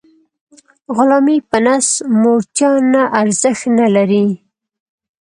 غلامي په نس موړتیا نه ارزښت نلري.